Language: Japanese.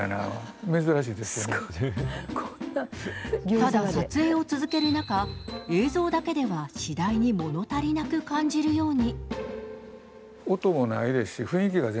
ただ撮影を続ける中、映像だけでは次第にもの足りなく感じるように。